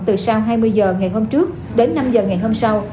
từ sau hai mươi h ngày hôm trước đến năm h ngày hôm sau